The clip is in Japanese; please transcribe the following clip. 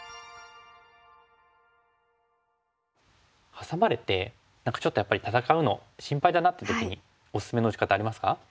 ハサまれてちょっとやっぱり戦うの心配だなって時におすすめの打ち方ありますか？